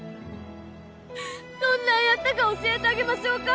どんなんやったか教えてあげましょうか？